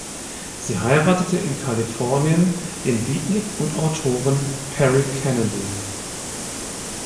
Sie heiratete in Kalifornien den Beatnik und Autoren Perry Kennedy.